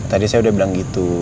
tadi saya udah bilang gitu